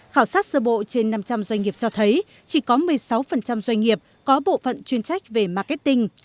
khảo sát sơ bộ trên năm trăm linh doanh nghiệp cho thấy chỉ có một mươi sáu doanh nghiệp có bộ phận chuyên trách về marketing